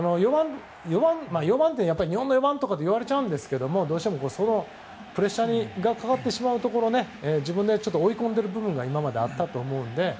４番って日本の４番とか言われちゃうんですけどどうしても、そのプレッシャーがかかってしまうところ自分で追い込んでる部分が今まであったと思うので。